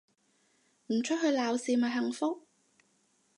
唔出去鬧事咪幸福